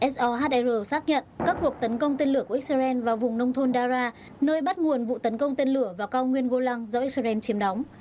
sohr xác nhận các cuộc tấn công tên lửa của israel vào vùng nông thôn dara nơi bắt nguồn vụ tấn công tên lửa vào cao nguyên golang do israel chiếm đóng